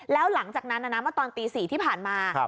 แล้วหลังจากนั้นนะตอนตีสี่ที่ผ่านมา